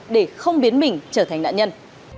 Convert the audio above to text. để không biến mình trở thành nạn nhân